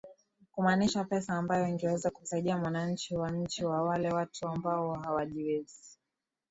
kumanisha pesa ambayo ingeweza kumsaidia mwananchi wa chini na wale watu ambao hawajiwezi